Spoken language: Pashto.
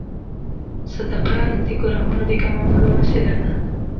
صدقه د ګناهونو د کمولو وسیله ده.